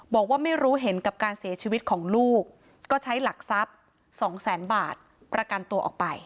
บอกว่าไม่รู้เห็นกับการเสียชีวิตของลูกก็ใช้หลักทรัพย์สองแสนบาทประกันตัวออกไป